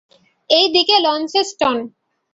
এই দিকে লন্সেস্টন।